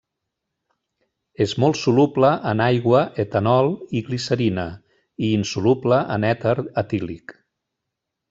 És molt soluble en aigua, etanol i glicerina i insoluble en èter etílic.